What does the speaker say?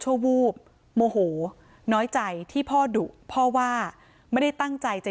วูบโมโหน้อยใจที่พ่อดุพ่อว่าไม่ได้ตั้งใจจะ